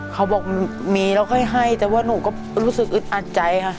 เขาบอกมีแล้วค่อยให้แต่ว่าหนูก็รู้สึกอึดอัดใจค่ะ